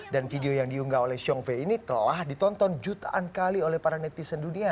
dan video yang diunggah oleh xiong fi ini telah ditonton jutaan kali oleh para netizen dunia